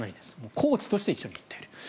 コーチとして一緒に行っている。